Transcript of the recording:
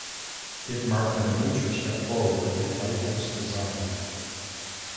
It marked a major step forward in lighthouse design.